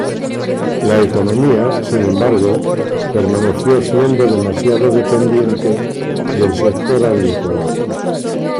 La economía, sin embargo, permaneció siendo demasiado dependiente del sector agrícola.